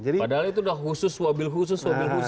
padahal itu sudah khusus suabil khusus suabil khusus